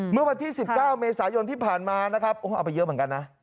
เมื่อวันที่๑๙เมษายนที่ผ่านมานะครับเอาไปเยอะเหมือนกันนะ